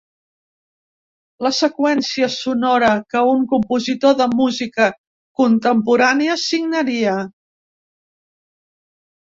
La seqüència sonora que un compositor de música contemporània signaria.